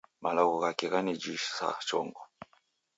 Malagho ghake ghanijisa chongo